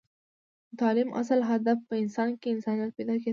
د تعلیم اصل هدف په انسان کې انسانیت پیدا کیدل دی